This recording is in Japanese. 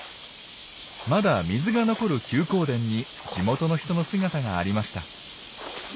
まだ水が残る休耕田に地元の人の姿がありました。